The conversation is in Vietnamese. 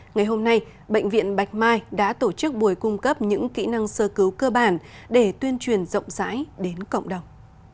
ngày hôm nay bệnh viện bạch mai đã tổ chức buổi cung cấp những kỹ năng sơ cứu cơ bản để tuyên truyền rộng rãi đến cộng đồng